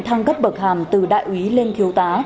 thăng cấp bậc hàm từ đại úy lên thiếu tá